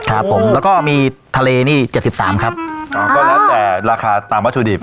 ครับผมแล้วก็มีทะเลนี่เจ็ดสิบสามครับอ่าก็แล้วแต่ราคาตามวัตถุดิบ